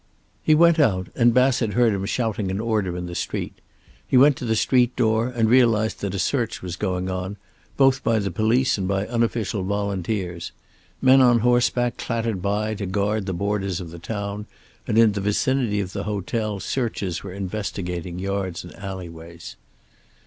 He went out, and Bassett heard him shouting an order in the street. He went to the street door, and realized that a search was going on, both by the police and by unofficial volunteers. Men on horseback clattered by to guard the borders of the town, and in the vicinity of the hotel searchers were investigating yards and alleyways.